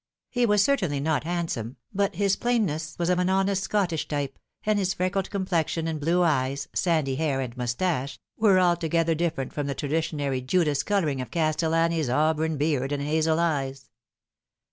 He was certainly not handsome, but his plainness was of an honest Scottish type, and his freckled com plexion and blue eyes, sandy hair and moustache, were altogether different from the traditionary Judas colouring of Castellani's auburn beard and hazel eyes.